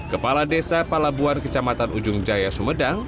kepala desa palabuan kecamatan ujung jaya sumedang